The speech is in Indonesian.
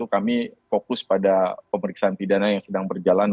kami fokus pada pemeriksaan pidana yang sedang berjalan